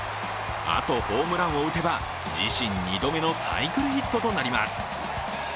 あとホームランを打てば、自身２度目のサイクルヒットとなります。